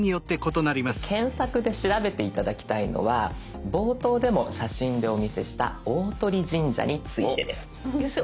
検索で調べて頂きたいのは冒頭でも写真でお見せした大鳥神社についてです。